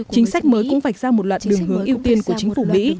chính sách mới cũng vạch ra một loạt đường hướng ưu tiên của chính phủ mỹ